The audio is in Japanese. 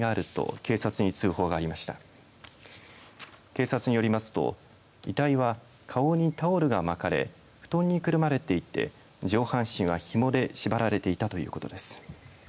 警察によりますと遺体は顔にタオルが巻かれ布団にくるまれていて上半身はひもで縛られていたということです。